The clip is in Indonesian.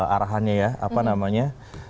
arahannya ya apa namanya